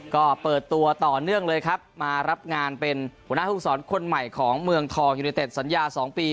ก็เปิดตัวต่อเนื่องเลยครับมารับงานเป็นหัวหน้าภูมิสอนคนใหม่ของเมืองทองยูนิเต็ดสัญญา๒ปี